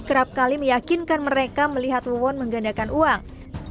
kerap kali meyakinkan mereka melihat luwon menggandakan uang